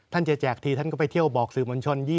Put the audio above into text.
ท่านจะแจกทีจะไปเที่ยวบอกสื่อบรรชน